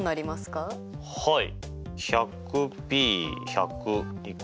はい。